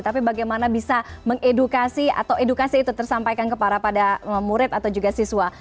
tapi bagaimana bisa mengedukasi atau edukasi itu tersampaikan kepada murid atau juga siswa